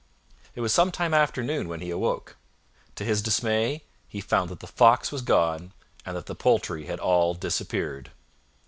It was some time after noon when he awoke. To his dismay he found that the Fox was gone, and that the poultry had all disappeared!